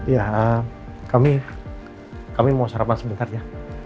ya kami mau sarapan sebentar ya